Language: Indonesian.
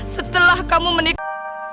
setelah kamu menikah